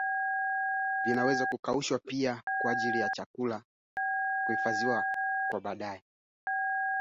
Kuhangaika kwa wanyama